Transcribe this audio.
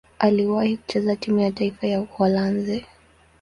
Aliwahi kucheza timu ya taifa ya Uholanzi.